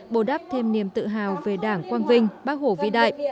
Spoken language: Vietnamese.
bổ đáp thêm niềm tự hào về đảng quang vinh bắc hồ vĩ đại